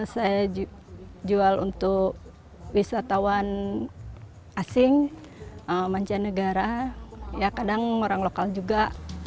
saya jual untuk wisatawan asing mancanegara ya kadang orang lokal juga